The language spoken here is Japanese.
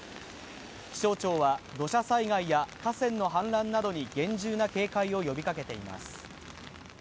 気象庁は土砂災害や河川の氾濫などに厳重な警戒を呼びかけています。